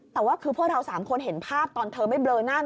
แต่ว่าคือพวกเรา๓คนเห็นภาพตอนเธอไม่เบลอหน้า